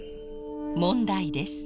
問題です。